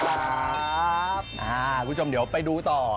คุณผู้ชมเดี๋ยวไปดูต่อ